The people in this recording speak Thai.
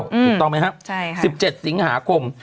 ถูกต้องไหมครับ๑๗สิงหาคม